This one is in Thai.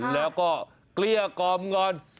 แล้วก็เกลี้ยกล่อมก่อน